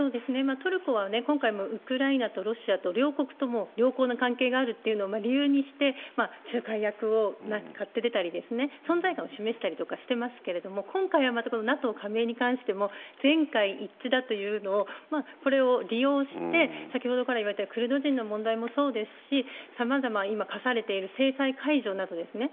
トルコは今回もウクライナとロシアと、両国とも良好な関係があるというのを理由にして、仲介役を買って出たりとか、存在感を示したりとかしてますけど、今回はまたこのＮＡＴＯ加盟に関しても、全会一致だというのを、これを利用して、先ほどからいわれたクルド人の問題もそうですし、さまざま今科されてる制裁解除ですね。